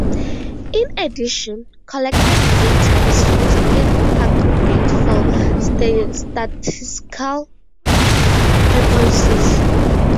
In addition, collected data is used in aggregate for statistical purposes.